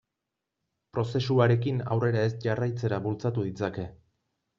Prozesuarekin aurrera ez jarraitzera bultzatu ditzake.